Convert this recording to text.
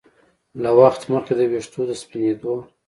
له وخت مخکې د ویښتو د سپینېدو